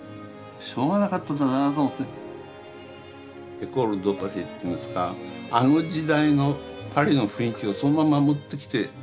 エコール・ド・パリっていうんですかあの時代のパリの雰囲気をそのまま持ってきているような感じですね。